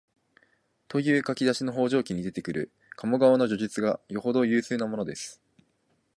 という書き出しの「方丈記」に出ている鴨川の叙述がよほど有数なものです